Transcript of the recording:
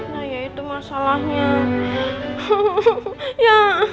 nah iya itu masalahnya